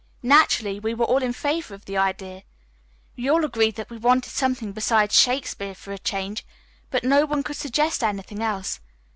Naturally, we were all in favor of the idea. We all agreed that we wanted something besides Shakespeare for a change, but no one could suggest anything else.